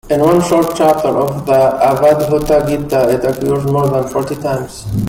In one short chapter of the Avadhuta Gita, it occurs more than forty times.